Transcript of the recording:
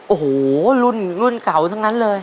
โอ้โหรุ่นรุ่นเก่าทั้งนั้นเลย